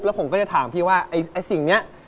แล้วผมก็จะถามพี่ว่าไอ้สิ่งเนี่ย